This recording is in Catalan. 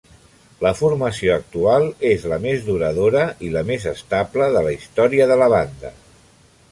La formació actual és la més duradora i la més estable de la història de la banda.